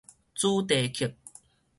主題曲